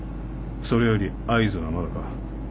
それより合図はまだか？